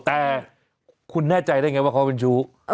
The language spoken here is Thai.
แต่คุณแน่ใจได้ไงว่าเขาเป็นชู้